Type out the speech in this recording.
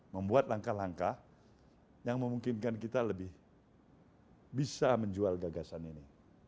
membuat langkah langkah yang memungkinkan kita lebih bisa menjual gagasan ini